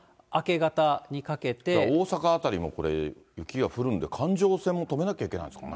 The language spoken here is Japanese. だから大阪辺りもこれ、雪が降るんで、環状線も止めなきゃいけないんですかね。